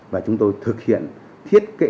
và chúng tôi thực hiện thiết kế